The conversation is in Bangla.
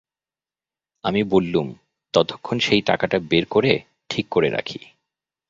আমি বললুম, ততক্ষণ সেই টাকাটা বের করে ঠিক করে রাখি।